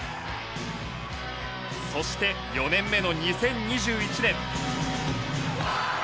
そして４年目の２０２１年。